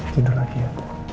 tidur lagi ya